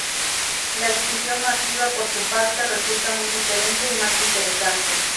La extinción masiva, por su parte, resulta muy diferente y más interesante.